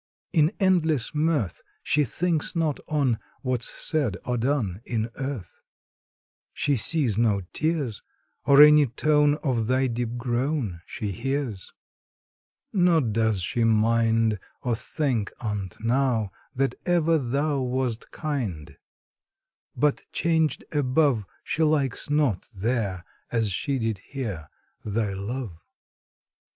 In endless mirth, She thinks not on What's said or done In earth: She sees no tears, Or any tone Of thy deep groan She hears; Nor does she mind, Or think on't now, That ever thou Wast kind: But changed above, She likes not there, As she did here, Thy love.